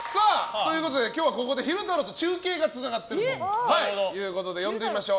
ということで今日はここで昼太郎と中継がつながっているということで呼んでみましょう！